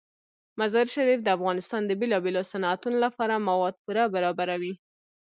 مزارشریف د افغانستان د بیلابیلو صنعتونو لپاره مواد پوره برابروي.